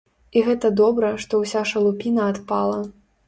І гэта добра, што ўся шалупіна адпала.